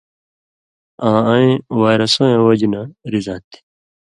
آں اَیں وائرسہ وَیں وجہۡ نہ رِزاں تھی۔